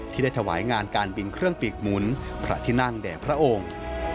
ที่ได้ถวายงานการบินเครื่องปีกหมุนพระที่นั่งแด่พระองค์